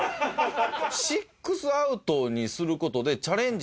６アウトにする事でチャレンジ